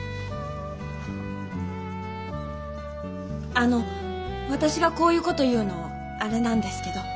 あの私がこういうこと言うのあれなんですけど。